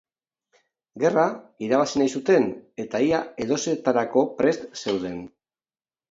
Gerra irabazi nahi zuten eta ia edozertarako prest zeuden.